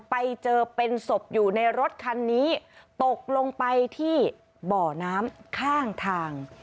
ไปเจอเป็นศพอยู่ในรถคันนี้ตกลงไปที่บ่อน้ำข้างทาง